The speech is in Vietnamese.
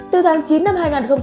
từ tháng chín năm hai nghìn hai mươi